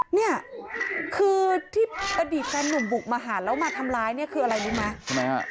นี่คือที่อดิษฐ์แฟนนุ่มบุกมาหาแล้วมาทำร้ายนี่คืออะไรรู้ไหม